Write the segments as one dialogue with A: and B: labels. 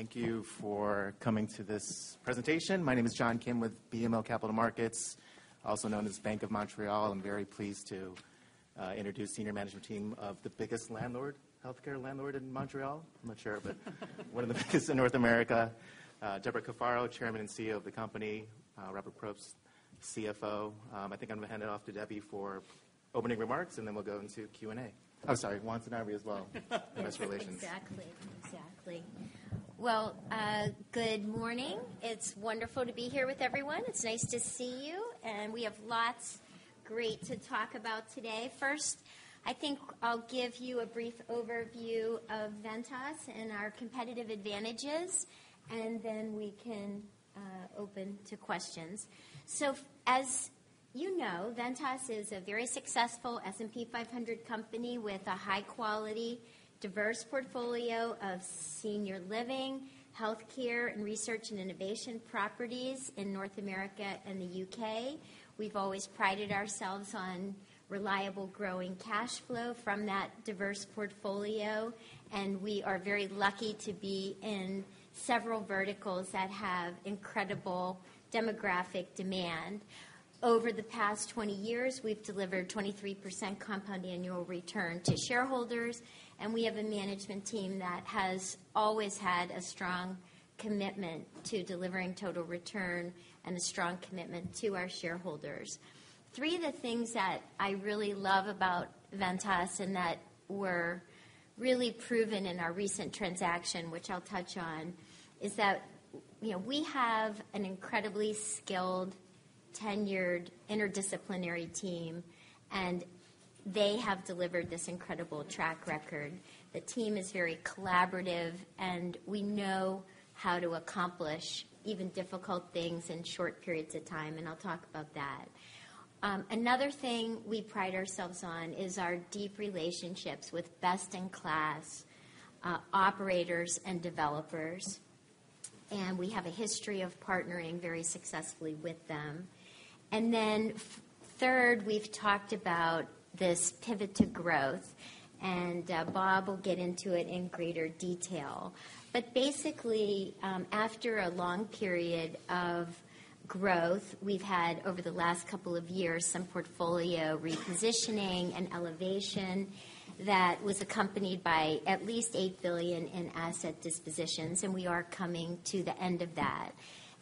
A: We're good. Okay. Thank you for coming to this presentation. My name is John Kim with BMO Capital Markets, also known as Bank of Montreal. I'm very pleased to introduce the senior management team of the biggest landlord, healthcare landlord in Montreal. I'm not sure, but one of the biggest in North America. Debra Cafaro, Chairman and CEO of the company, Robert Probst, CFO. I think I'm going to hand it off to Debbie for opening remarks, and then we'll go into Q&A. I'm sorry, Juan Sanabria as well, Investor Relations.
B: Exactly. Exactly. Good morning. It's wonderful to be here with everyone. It's nice to see you, and we have lots of great to talk about today. First, I think I'll give you a brief overview of Ventas and our competitive advantages, and then we can open to questions. As you know, Ventas is a very successful S&P 500 company with a high-quality, diverse portfolio of senior living, healthcare, and research and innovation properties in North America and the U.K. We've always prided ourselves on reliable, growing cash flow from that diverse portfolio, and we are very lucky to be in several verticals that have incredible demographic demand. Over the past 20 years, we've delivered 23% compound annual return to shareholders, and we have a management team that has always had a strong commitment to delivering total return and a strong commitment to our shareholders. Three of the things that I really love about Ventas and that were really proven in our recent transaction, which I'll touch on, is that we have an incredibly skilled, tenured, interdisciplinary team, and they have delivered this incredible track record. The team is very collaborative, and we know how to accomplish even difficult things in short periods of time, and I'll talk about that. Another thing we pride ourselves on is our deep relationships with best-in-class operators and developers, and we have a history of partnering very successfully with them. Then, third, we've talked about this pivot to growth, and Bob will get into it in greater detail. But basically, after a long period of growth, we've had, over the last couple of years, some portfolio repositioning and elevation that was accompanied by at least $8 billion in asset dispositions, and we are coming to the end of that.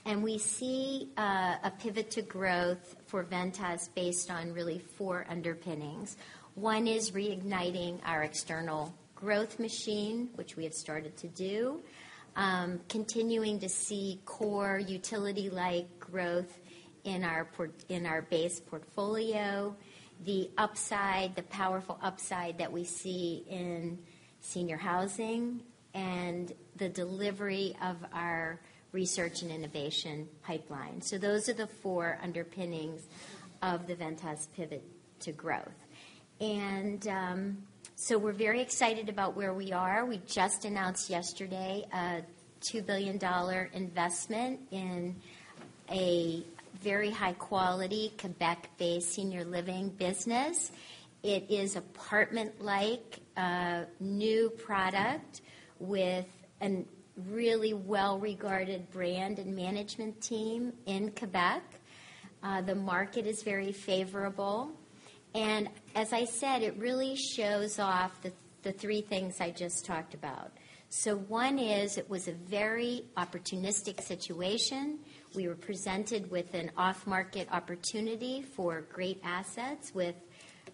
B: And we see a pivot to growth for Ventas based on really four underpinnings. One is reigniting our external growth machine, which we have started to do, continuing to see core utility-like growth in our base portfolio, the powerful upside that we see in senior housing, and the delivery of our research and innovation pipeline. So those are the four underpinnings of the Ventas pivot to growth. And so we're very excited about where we are. We just announced yesterday a $2 billion investment in a very high-quality Québec-based senior living business. It is apartment-like, a new product with a really well-regarded brand and management team in Québec. The market is very favorable, and as I said, it really shows off the three things I just talked about, so one is it was a very opportunistic situation. We were presented with an off-market opportunity for great assets with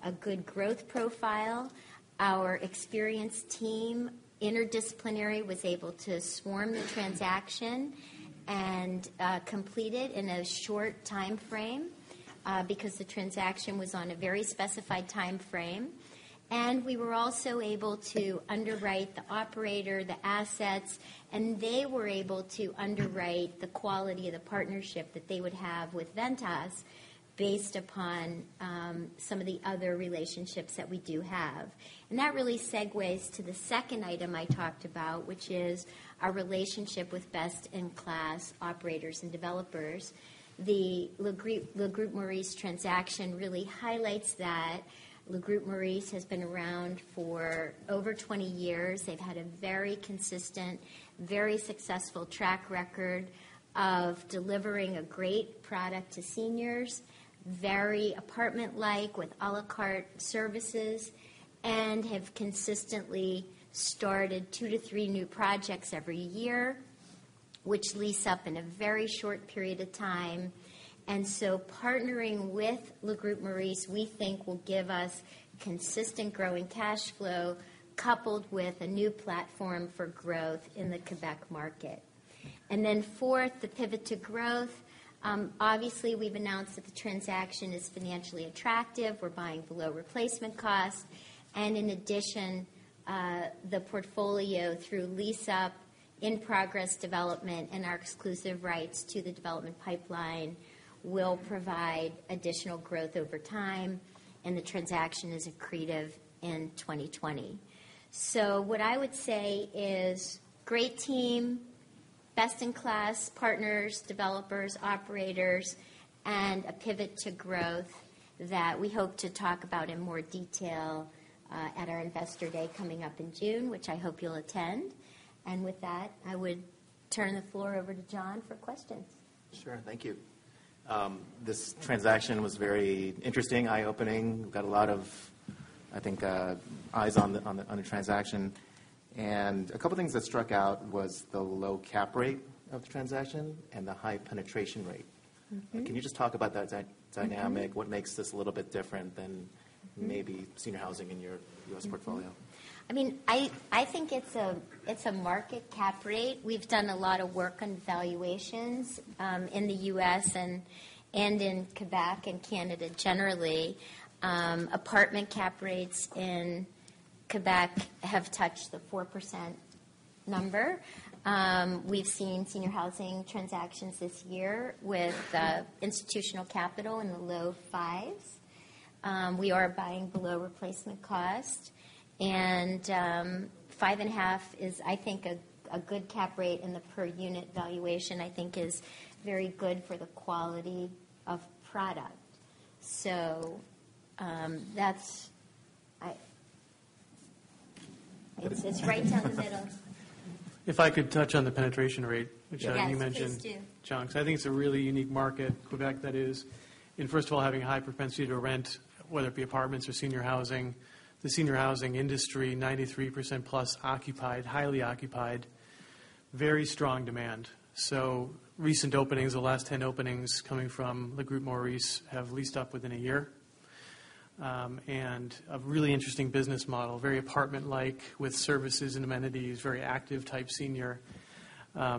B: a good growth profile. Our experienced team, interdisciplinary, was able to swarm the transaction and complete it in a short time frame because the transaction was on a very specified time frame, and we were also able to underwrite the operator, the assets, and they were able to underwrite the quality of the partnership that they would have with Ventas based upon some of the other relationships that we do have, and that really segues to the second item I talked about, which is our relationship with best-in-class operators and developers. The Le Groupe Maurice transaction really highlights that. Le Groupe Maurice has been around for over 20 years. They've had a very consistent, very successful track record of delivering a great product to seniors, very apartment-like with à la carte services, and have consistently started two to three new projects every year, which lease up in a very short period of time. And so partnering with Le Groupe Maurice, we think, will give us consistent growing cash flow coupled with a new platform for growth in the Québec market. And then fourth, the pivot to growth. Obviously, we've announced that the transaction is financially attractive. We're buying below replacement cost. And in addition, the portfolio through lease-up, in-progress development, and our exclusive rights to the development pipeline will provide additional growth over time, and the transaction is accretive in 2020. What I would say is great team, best-in-class partners, developers, operators, and a pivot to growth that we hope to talk about in more detail at our Investor Day coming up in June, which I hope you'll attend. With that, I would turn the floor over to John for questions.
A: Sure. Thank you. This transaction was very interesting, eye-opening. We've got a lot of, I think, eyes on the transaction. And a couple of things that struck out was the low cap rate of the transaction and the high penetration rate. Can you just talk about that dynamic? What makes this a little bit different than maybe senior housing in your U.S. portfolio?
B: I mean, I think it's a market cap rate. We've done a lot of work on valuations in the U.S. and in Québec and Canada generally. Apartment cap rates in Québec have touched the 4% number. We've seen senior housing transactions this year with institutional capital in the low fives. We are buying below replacement cost. And 5.5% is, I think, a good cap rate in the per-unit valuation, I think, is very good for the quality of product. So that's right down the middle.
C: If I could touch on the penetration rate, which you mentioned.
B: Yeah, please do.
C: John, because I think it's a really unique market, Québec that is, in first of all, having a high propensity to rent, whether it be apartments or senior housing, the senior housing industry, 93%+ occupied, highly occupied, very strong demand, so recent openings, the last 10 openings coming from Le Groupe Maurice have leased up within a year, and a really interesting business model, very apartment-like with services and amenities, very active-type senior,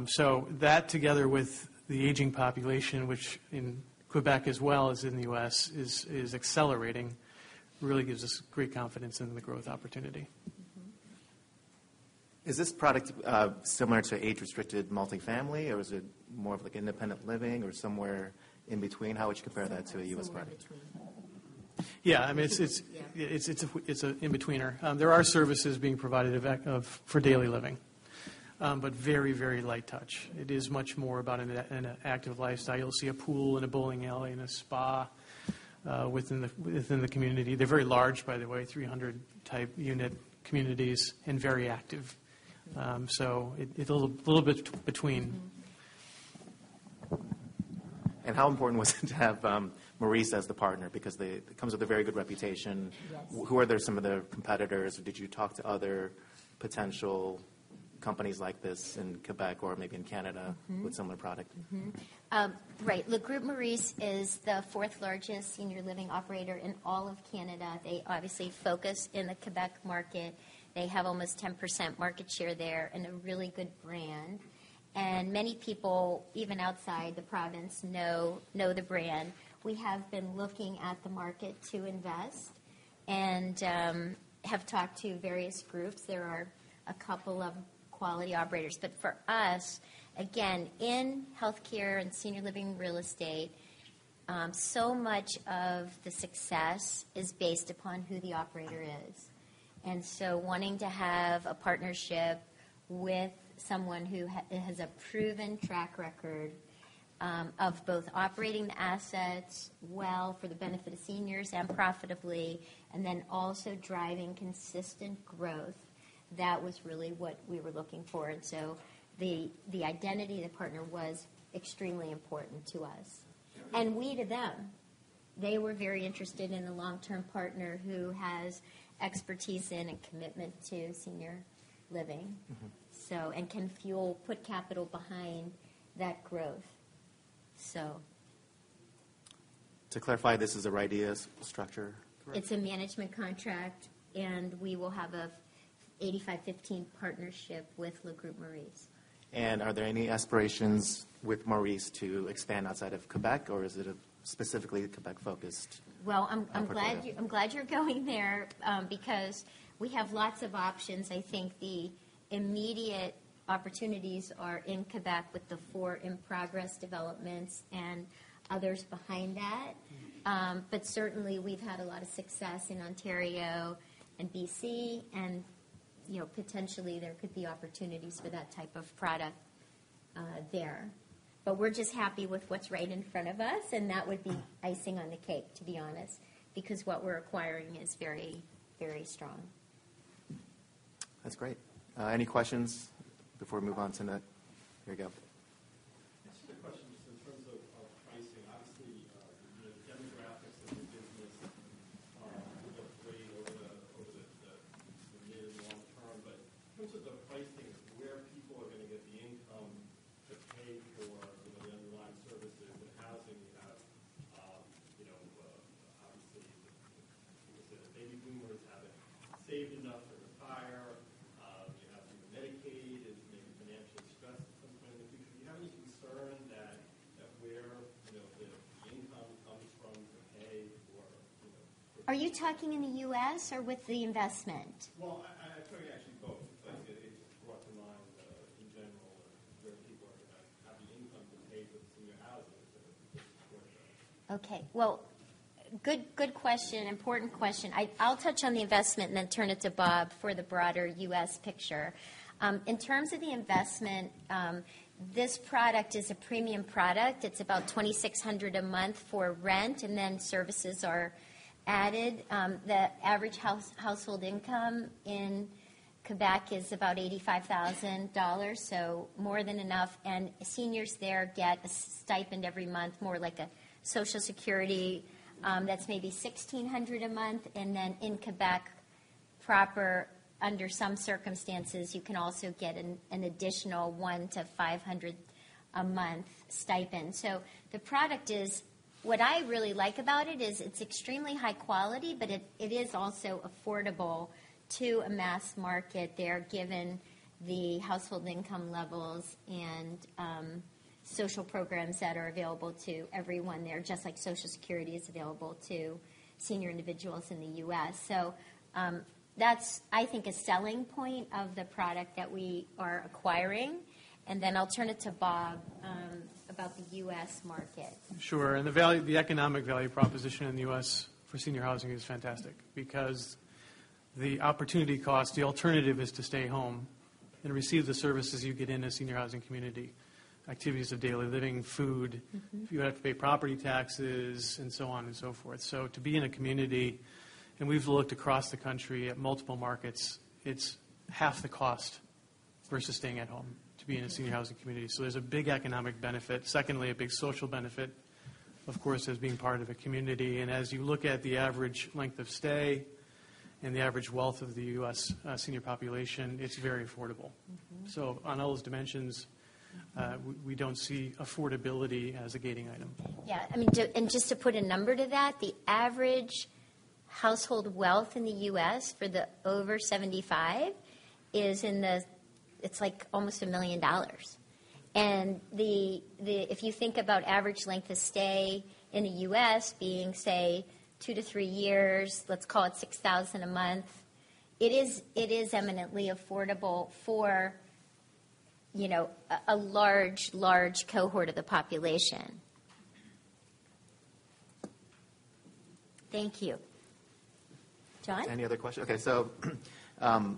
C: so that together with the aging population, which in Québec as well as in the U.S. is accelerating, really gives us great confidence in the growth opportunity.
A: Is this product similar to age-restricted multifamily, or is it more of like independent living or somewhere in between? How would you compare that to a U.S. product?
C: Yeah, I mean, it's an in-betweener. There are services being provided for daily living, but very, very light touch. It is much more about an active lifestyle. You'll see a pool and a bowling alley and a spa within the community. They're very large, by the way, 300-type unit communities and very active. So it's a little bit between.
A: How important was it to have Maurice as the partner? Because it comes with a very good reputation. Who are some of the competitors? Did you talk to other potential companies like this in Québec or maybe in Canada with similar product?
B: Right. Le Groupe Maurice is the fourth-largest senior living operator in all of Canada. They obviously focus in the Québec market. They have almost 10% market share there and a really good brand. And many people, even outside the province, know the brand. We have been looking at the market to invest and have talked to various groups. There are a couple of quality operators. But for us, again, in healthcare and senior living real estate, so much of the success is based upon who the operator is. And so wanting to have a partnership with someone who has a proven track record of both operating the assets well for the benefit of seniors and profitably, and then also driving consistent growth, that was really what we were looking for. And so the identity of the partner was extremely important to us. And we to them. They were very interested in a long-term partner who has expertise in and commitment to senior living and can put capital behind that growth. So.
A: To clarify, this is a RIDEA structure?
B: It's a management contract, and we will have an 85/15 partnership with Le Groupe Maurice.
A: Are there any aspirations with Le Groupe Maurice to expand outside of Québec, or is it specifically Québec-focused?
B: I'm glad you're going there because we have lots of options. I think the immediate opportunities are in Québec with the four in-progress developments and others behind that. But certainly, we've had a lot of success in Ontario and BC, and potentially there could be opportunities for that type of product there. But we're just happy with what's right in front of us, and that would be icing on the cake, to be honest, because what we're acquiring is very, very strong.
A: That's great. Any questions before we move on to the here we go.
B: added. The average household income in Québec is about 85,000 dollars, so more than enough. And seniors there get a stipend every month, more like a social security. That's maybe 1,600 a month. And then in Québec proper under some circumstances, you can also get an additional 1,500 a month stipend. So the product is what I really like about it is it's extremely high quality, but it is also affordable to a mass market there given the household income levels and social programs that are available to everyone there, just like social security is available to senior individuals in the U.S. So that's, I think, a selling point of the product that we are acquiring. And then I'll turn it to Bob about the U.S. market.
C: Sure, and the economic value proposition in the U.S. for senior housing is fantastic because the opportunity cost, the alternative is to stay home and receive the services you get in a senior housing community: activities of daily living, food, if you have to pay property taxes, and so on and so forth, so to be in a community, and we've looked across the country at multiple markets, it's half the cost versus staying at home to be in a senior housing community, so there's a big economic benefit. Secondly, a big social benefit, of course, as being part of a community, and as you look at the average length of stay and the average wealth of the U.S. senior population, it's very affordable, so on all those dimensions, we don't see affordability as a gating item.
B: Yeah. I mean, and just to put a number to that, the average household wealth in the U.S. for the over 75 is, it's like almost $1 million. And if you think about average length of stay in the U.S. being, say, two to three years, let's call it $6,000 a month, it is eminently affordable for a large, large cohort of the population. Thank you. John?
A: Any other questions? Okay. So if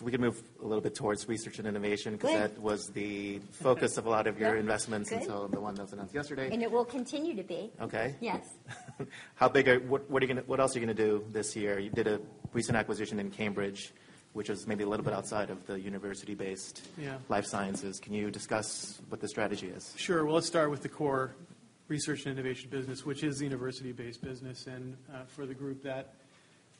A: we could move a little bit towards research and innovation because that was the focus of a lot of your investments until the one that was announced yesterday.
B: It will continue to be.
A: Okay.
B: Yes.
A: What else are you going to do this year? You did a recent acquisition in Cambridge, which was maybe a little bit outside of the university-based life sciences. Can you discuss what the strategy is?
C: Sure. Well, let's start with the core research and innovation business, which is the university-based business. And for the group, that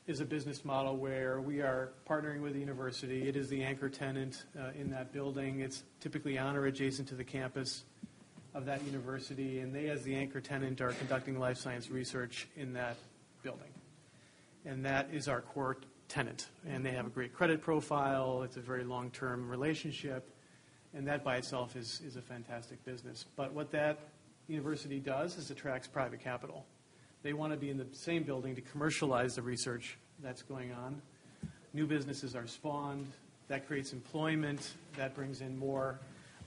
C: is a business model where we are partnering with the university. It is the anchor tenant in that building. It's typically on or adjacent to the campus of that university. And they, as the anchor tenant, are conducting life science research in that building. And that is our core tenant. And they have a great credit profile. It's a very long-term relationship. And that by itself is a fantastic business. But what that university does is attracts private capital. They want to be in the same building to commercialize the research that's going on. New businesses are spawned. That creates employment. That brings in more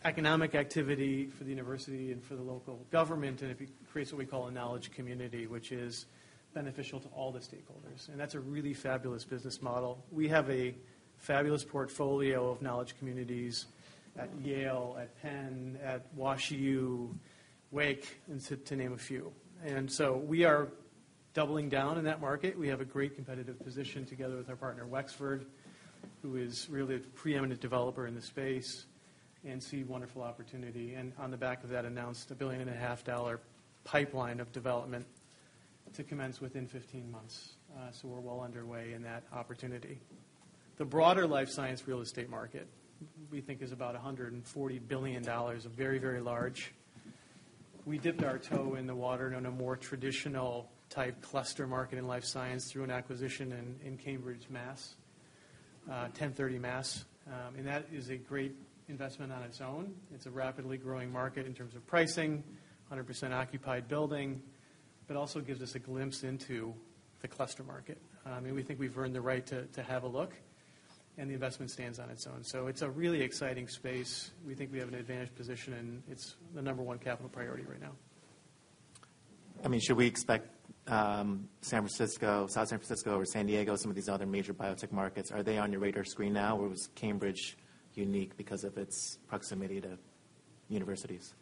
C: economic activity for the university and for the local government. It creates what we call a Knowledge Community, which is beneficial to all the stakeholders. That's a really fabulous business model. We have a fabulous portfolio of Knowledge Communities at Yale, at Penn, at WashU, Wake, and to name a few. We are doubling down in that market. We have a great competitive position together with our partner, Wexford, who is really a preeminent developer in the space, and see wonderful opportunity. On the back of that, announced a $1.5 billion pipeline of development to commence within 15 months. We're well underway in that opportunity. The broader life science real estate market, we think, is about $140 billion, very, very large. We dipped our toe in the water in a more traditional-type cluster market in life science through an acquisition in Cambridge, Massachusetts, 1030 Massachusetts Avenue. That is a great investment on its own. It's a rapidly growing market in terms of pricing, 100% occupied building, but also gives us a glimpse into the cluster market, and we think we've earned the right to have a look, and the investment stands on its own, so it's a really exciting space. We think we have an advantaged position, and it's the number one capital priority right now.
A: I mean, should we expect San Francisco, South San Francisco, or San Diego, some of these other major biotech markets? Are they on your radar screen now, or is Cambridge unique because of its proximity to universities?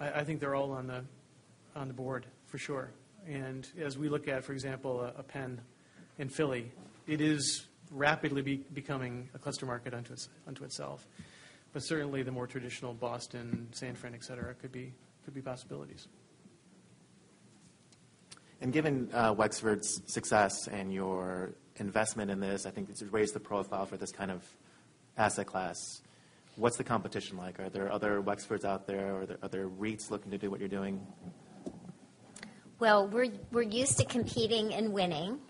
C: I think they're all on the board, for sure. And as we look at, for example, a Penn in Philly, it is rapidly becoming a cluster market unto itself. But certainly, the more traditional Boston, San Fran, etc., could be possibilities.
A: Given Wexford's success and your investment in this, I think it's raised the profile for this kind of asset class. What's the competition like? Are there other Wexfords out there? Are there other REITs looking to do what you're doing?
B: Well, we're used to competing and winning.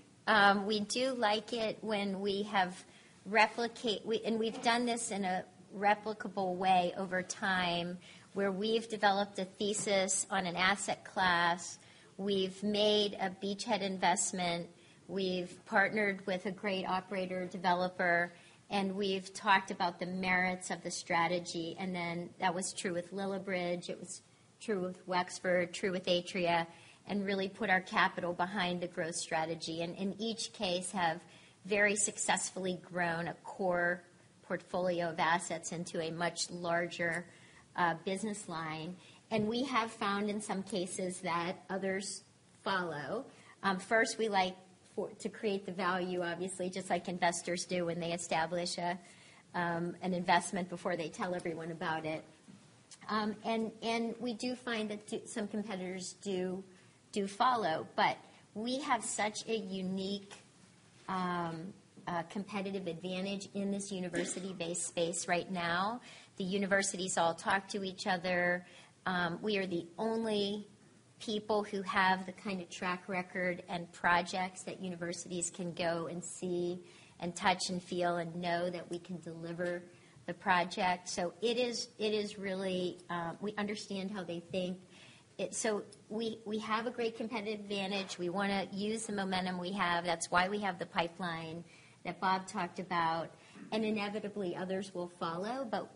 B: We do like it when we have replicated, and we've done this in a replicable way over time where we've developed a thesis on an asset class. We've made a beachhead investment. We've partnered with a great operator developer, and we've talked about the merits of the strategy. And then that was true with Lillibridge. It was true with Wexford, true with Atria, and really put our capital behind the growth strategy. And in each case, have very successfully grown a core portfolio of assets into a much larger business line. And we have found in some cases that others follow. First, we like to create the value, obviously, just like investors do when they establish an investment before they tell everyone about it. And we do find that some competitors do follow. But we have such a unique competitive advantage in this university-based space right now. The universities all talk to each other. We are the only people who have the kind of track record and projects that universities can go and see and touch and feel and know that we can deliver the project. So it is really we understand how they think. So we have a great competitive advantage. We want to use the momentum we have. That's why we have the pipeline that Bob talked about. And inevitably, others will follow. But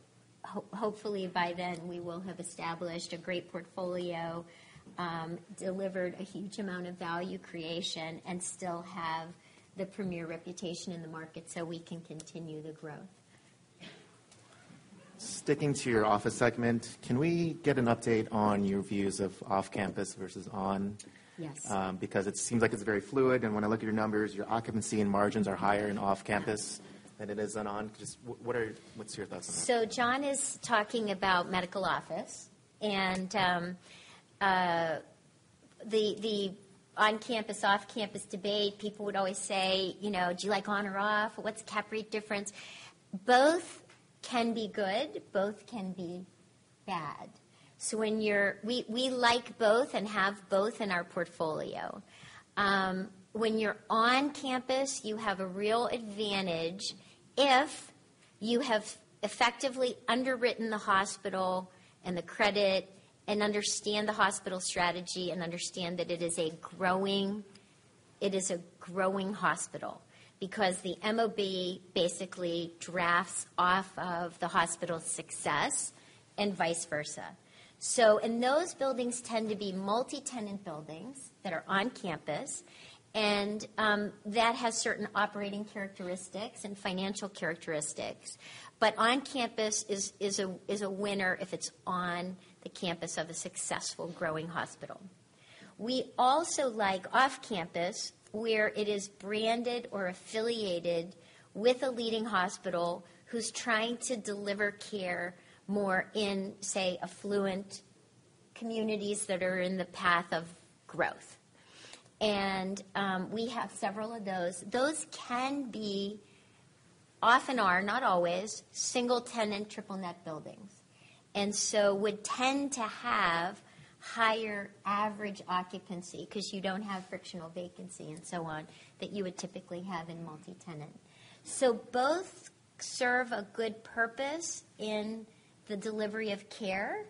B: hopefully, by then, we will have established a great portfolio, delivered a huge amount of value creation, and still have the premier reputation in the market so we can continue the growth.
A: Sticking to your office segment, can we get an update on your views of off-campus versus on?
B: Yes.
A: Because it seems like it's very fluid, and when I look at your numbers, your occupancy and margins are higher in off-campus than it is on. What's your thoughts on that?
B: John is talking about medical office. And the on-campus, off-campus debate, people would always say, do you like on or off? What's the cap rate difference? Both can be good. Both can be bad. So we like both and have both in our portfolio. When you're on campus, you have a real advantage if you have effectively underwritten the hospital and the credit and understand the hospital strategy and understand that it is a growing hospital because the MOB basically drafts off of the hospital's success and vice versa. So in those buildings tend to be multi-tenant buildings that are on campus, and that has certain operating characteristics and financial characteristics. But on campus is a winner if it's on the campus of a successful, growing hospital. We also like off-campus where it is branded or affiliated with a leading hospital who's trying to deliver care more in, say, affluent communities that are in the path of growth, and we have several of those. Those can be, often are, not always, single-tenant, triple-net buildings, and so would tend to have higher average occupancy because you don't have frictional vacancy and so on that you would typically have in multi-tenant. So both serve a good purpose in the delivery of care,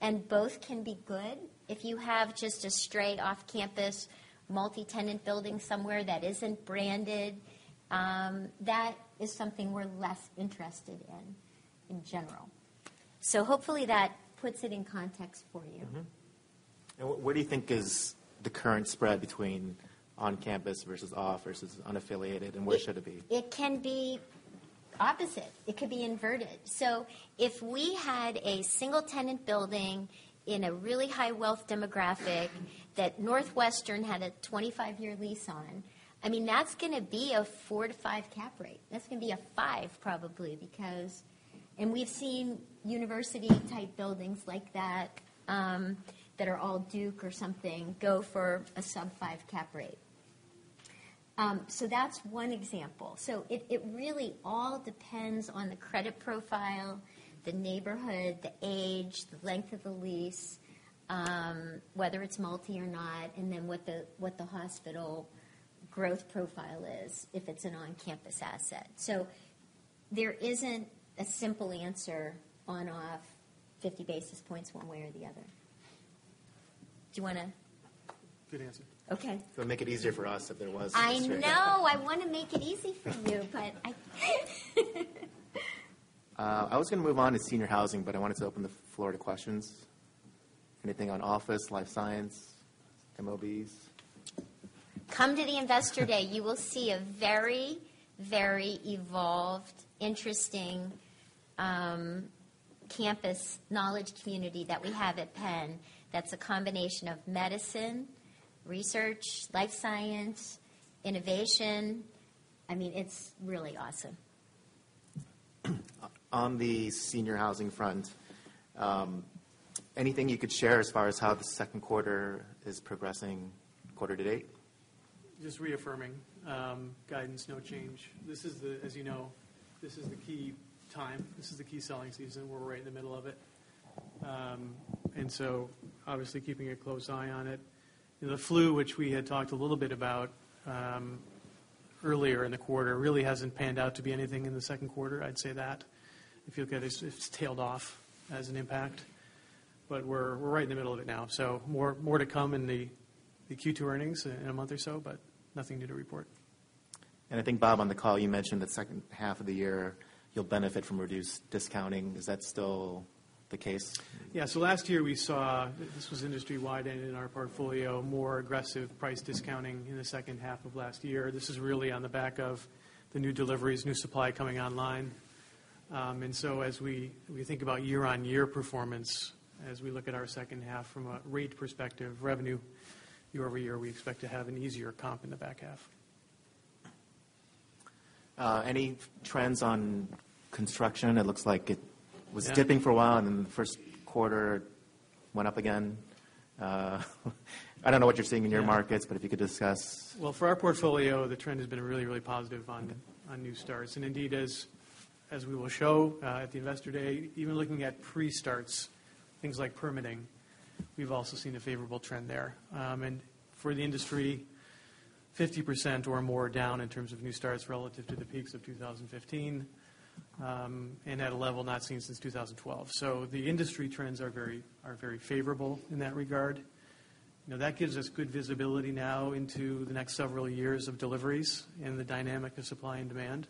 B: and both can be good. If you have just a straight off-campus multi-tenant building somewhere that isn't branded, that is something we're less interested in general, so hopefully, that puts it in context for you.
A: What do you think is the current spread between on-campus versus off versus unaffiliated, and where should it be?
B: It can be opposite. It could be inverted. So if we had a single-tenant building in a really high-wealth demographic that Northwestern had a 25-year lease on, I mean, that's going to be a four to five cap rate. That's going to be a five probably because and we've seen university-type buildings like that that are all Duke or something go for a sub-five cap rate. So that's one example. So it really all depends on the credit profile, the neighborhood, the age, the length of the lease, whether it's multi or not, and then what the hospital growth profile is if it's an on-campus asset. So there isn't a simple answer on or off 50 basis points one way or the other. Do you want to?
C: Good answer.
B: Okay.
A: It'll make it easier for us if there was an answer.
B: I know. I want to make it easy for you, but.
A: I was going to move on to senior housing, but I wanted to open the floor to questions. Anything on office, life science, MOBs?
B: Come to the Investor Day. You will see a very, very evolved, interesting campus Knowledge Community that we have at Penn that's a combination of medicine, research, life science, innovation. I mean, it's really awesome.
A: On the senior housing front, anything you could share as far as how the second quarter is progressing quarter to date?
C: Just reaffirming guidance, no change. This is the, as you know, this is the key time. This is the key selling season. We're right in the middle of it, and so obviously keeping a close eye on it. The flu, which we had talked a little bit about earlier in the quarter, really hasn't panned out to be anything in the second quarter, I'd say that. If you look at it, it's tailed off as an impact. But we're right in the middle of it now, so more to come in the Q2 earnings in a month or so, but nothing new to report.
A: I think, Bob, on the call, you mentioned the second half of the year you'll benefit from reduced discounting. Is that still the case?
C: Yeah, so last year, we saw, this was industry-wide in our portfolio, more aggressive price discounting in the second half of last year. This is really on the back of the new deliveries, new supply coming online, and so as we think about year-on-year performance, as we look at our second half from a rate perspective, revenue, year-over-year, we expect to have an easier comp in the back half.
A: Any trends on construction? It looks like it was dipping for a while, and then the first quarter went up again. I don't know what you're seeing in your markets, but if you could discuss.
C: For our portfolio, the trend has been really, really positive on new starts. Indeed, as we will show at the Investor Day, even looking at pre-starts, things like permitting, we've also seen a favorable trend there. For the industry, 50% or more down in terms of new starts relative to the peaks of 2015 and at a level not seen since 2012. The industry trends are very favorable in that regard. That gives us good visibility now into the next several years of deliveries and the dynamic of supply and demand.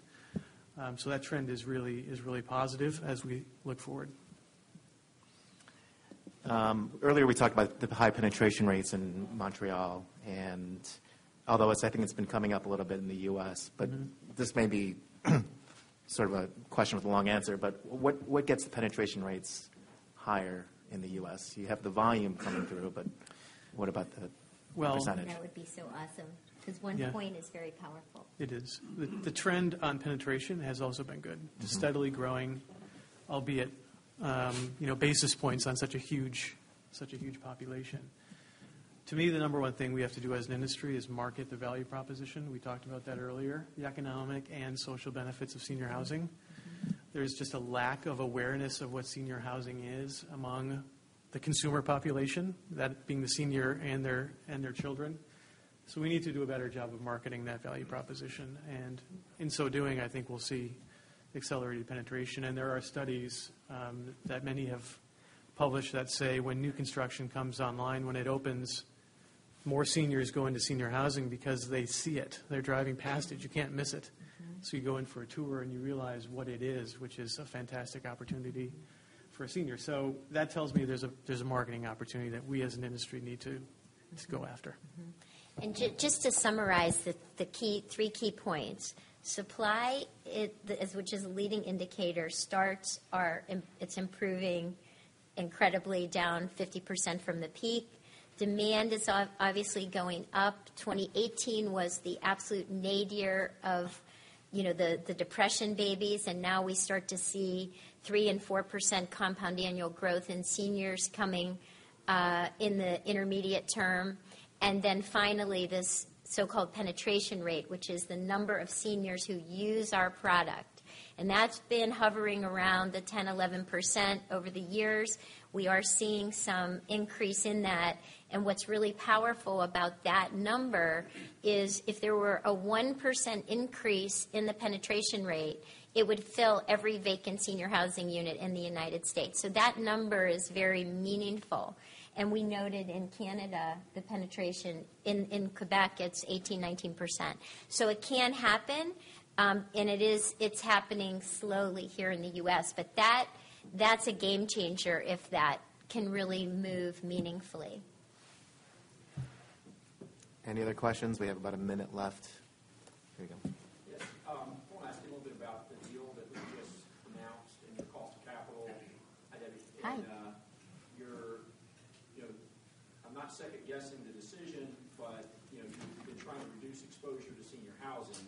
C: That trend is really positive as we look forward.
A: Earlier, we talked about the high penetration rates in Montreal, and although I think it's been coming up a little bit in the U.S., but this may be sort of a question with a long answer, but what gets the penetration rates higher in the U.S.? You have the volume coming through, but what about the percentage?
B: That would be so awesome because one point is very powerful.
C: It is. The trend on penetration has also been good. It's steadily growing, albeit basis points on such a huge population. To me, the number one thing we have to do as an industry is market the value proposition. We talked about that earlier, the economic and social benefits of senior housing. There's just a lack of awareness of what senior housing is among the consumer population, that being the senior and their children. So we need to do a better job of marketing that value proposition. And in so doing, I think we'll see accelerated penetration. And there are studies that many have published that say when new construction comes online, when it opens, more seniors go into senior housing because they see it. They're driving past it. You can't miss it. So you go in for a tour and you realize what it is, which is a fantastic opportunity for a senior. So that tells me there's a marketing opportunity that we as an industry need to go after.
B: Just to summarize the three key points, supply, which is a leading indicator, starts. It's improving incredibly, down 50% from the peak. Demand is obviously going up. 2018 was the absolute nadir of the Depression babies. Now we start to see 3% and 4% compound annual growth in seniors coming in the intermediate term. Then finally, this so-called penetration rate, which is the number of seniors who use our product. That's been hovering around the 10%, 11% over the years. We are seeing some increase in that. What's really powerful about that number is if there were a 1% increase in the penetration rate, it would fill every vacant senior housing unit in the United States. That number is very meaningful. We noted in Canada the penetration in Québec. It's 18%, 19%. So it can happen, and it's happening slowly here in the U.S. But that's a game changer if that can really move meaningfully.
A: Any other questions? We have about a minute left. Here we go. Yes. I want to ask you a little bit about the deal that was just announced in your cost of capital. I'm not second-guessing the decision, but you've been trying to reduce exposure to senior housing.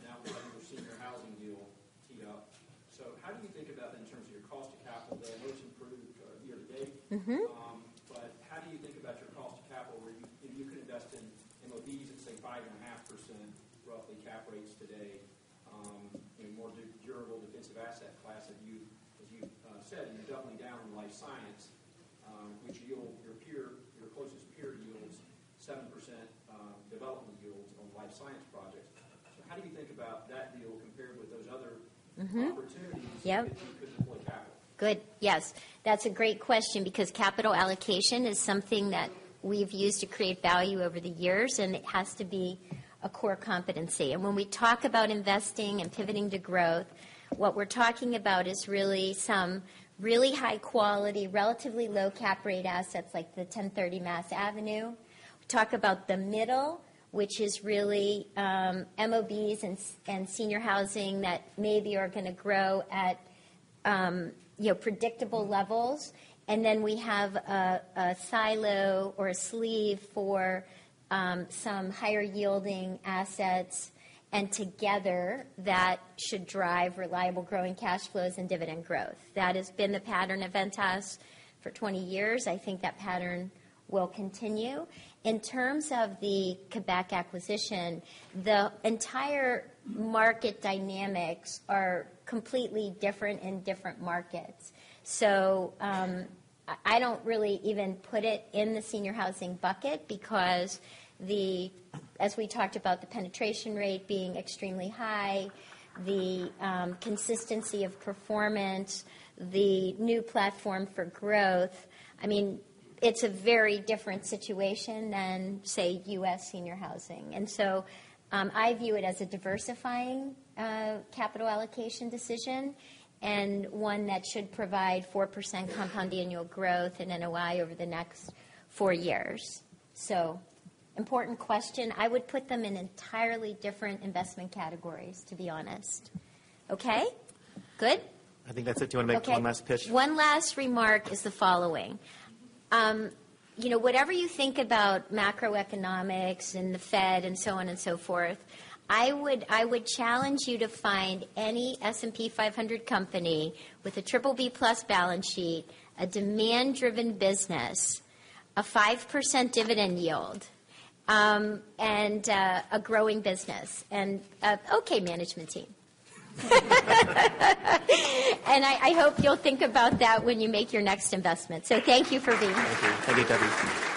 A: Now, your senior housing deal teed up. So how do you think about that in terms of your cost of capital? The most improved year to date. But how do you think about your cost of capital where you could invest in MOBs at, say, 5.5% roughly cap rates today, more durable defensive asset class? As you've said, you're doubling down on life science, which your closest peer yields 7% development yields on life science projects. So how do you think about that deal compared with those other opportunities that you could deploy capital?
B: Good. Yes. That's a great question because capital allocation is something that we've used to create value over the years, and it has to be a core competency, and when we talk about investing and pivoting to growth, what we're talking about is really some really high-quality, relatively low-cap rate assets like the 1030 Massachusetts Avenue. We talk about the middle, which is really MOBs and senior housing that maybe are going to grow at predictable levels, and then we have a silo or a sleeve for some higher-yielding assets, and together, that should drive reliable growing cash flows and dividend growth. That has been the pattern of Ventas for 20 years. I think that pattern will continue. In terms of the Québec acquisition, the entire market dynamics are completely different in different markets. So, I don't really even put it in the senior housing bucket because, as we talked about, the penetration rate being extremely high, the consistency of performance, the new platform for growth. I mean, it's a very different situation than, say, U.S. senior housing. And so, I view it as a diversifying capital allocation decision and one that should provide 4% compound annual growth in NOI over the next four years. So, important question. I would put them in entirely different investment categories, to be honest. Okay? Good?
A: I think that's it. Do you want to make one last pitch?
B: One last remark is the following. Whatever you think about macroeconomics and the Fed and so on and so forth, I would challenge you to find any S&P 500 company with a BBB+ balance sheet, a demand-driven business, a 5% dividend yield, and a growing business and an okay management team. And I hope you'll think about that when you make your next investment. So thank you for being here.
A: Thank you. Thank you, Debbie.